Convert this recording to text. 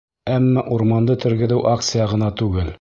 Әммә урманды тергеҙеү акция ғына түгел.